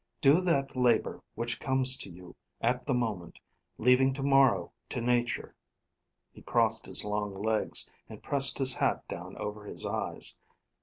Do that labor which comes to you at the moment, leaving to morrow to Nature." He crossed his long legs, and pressed his hat down over his eyes.